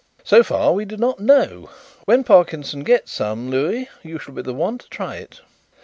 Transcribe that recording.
"So far we do not know. When Parkinson gets some, Louis, you shall be the one to try it."